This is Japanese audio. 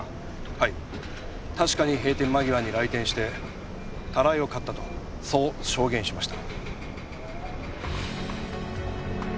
はい確かに閉店間際に来店してたらいを買ったとそう証言しました。